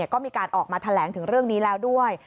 ก็มีการออกมาแถลงถึงเรื่องนี้แล้วด้วย